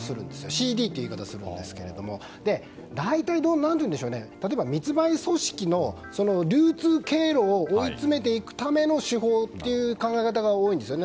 ＣＤという言い方をするんですが例えば密売組織の流通経路を追い詰めていくための手法という考え方が多いんですよね。